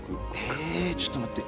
えちょっと待って。